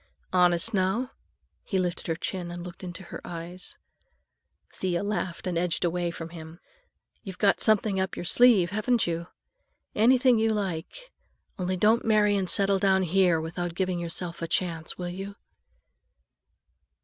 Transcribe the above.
"Honest, now?" He lifted her chin and looked into her eyes. Thea laughed and edged away from him. "You've got something up your sleeve, haven't you? Anything you like; only don't marry and settle down here without giving yourself a chance, will you?"